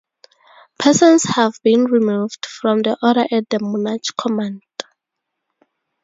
Persons have been removed from the order at the monarch's command.